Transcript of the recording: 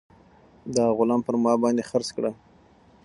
دا غلام پر ما باندې خرڅ کړه.